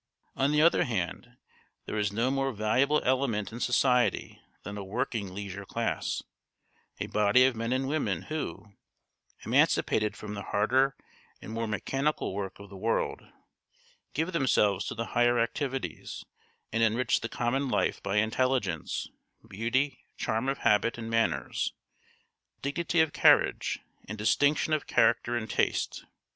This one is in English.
On the other hand, there is no more valuable element in society than a working leisure class, a body of men and women who, emancipated from the harder and more mechanical work of the world, give themselves to the higher activities and enrich the common life by intelligence, beauty, charm of habit and manners, dignity of carriage, and distinction of character and taste.